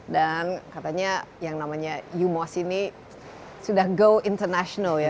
dan katanya yang namanya umos ini sudah go international ya